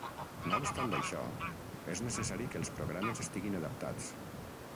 No obstant això, és necessari que els programes estiguin adaptats.